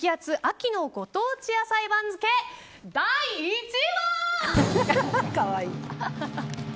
秋のご当地野菜番付第１位は！